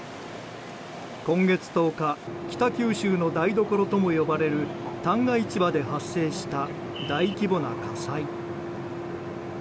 今月１０日北九州の台所とも呼ばれる旦過市場で発生した大規模な火災。